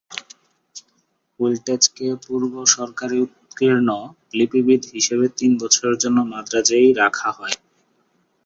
হুলট্জেককে পূর্ব সরকারি উৎকীর্ণ লিপিবিদ হিসেবে তিন বছরের জন্য মাদ্রাজেই রাখা হয়।